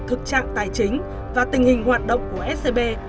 thực trạng tài chính và tình hình hoạt động của scb